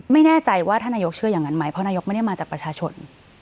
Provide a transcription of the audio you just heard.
ไม่แน่ใจว่าท่านนายกเชื่ออย่างนั้นไหมเพราะนายกไม่ได้มาจากประชาชน